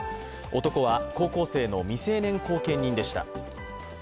男は高校生の未成年後見人でした。